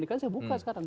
kan saya buka sekarang